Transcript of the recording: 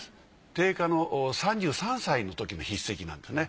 定家の３３歳のときの筆跡なんですね。